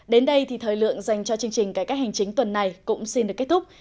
đến đây thì thời lượng dành cho chương trình cải cách hành chính tuần này cũng xin được kết thúc